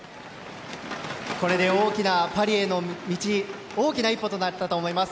これで大きなパリへの道大きな一歩になったと思います。